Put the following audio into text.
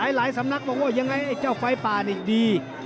หลายสำนักบอกว่ายังไงไอ้เจ้าไฟป่านี่ดี